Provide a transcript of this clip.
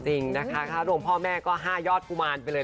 จริงนะคะถ้ารวมพ่อแม่ก็๕ยอดกุมารไปเลย